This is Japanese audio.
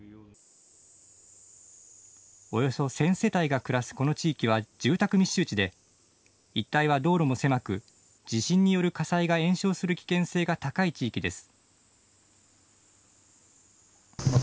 およそ１０００世帯が暮らすこの地域は住宅密集地で一帯は道路も狭く地震による火災が延焼する危険性が高い地域です。